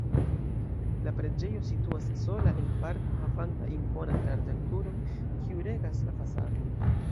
La preĝejo situas sola en parko havanta imponan larĝan turon, kiu regas la fasadon.